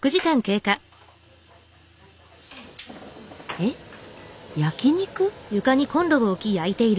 えっ焼き肉？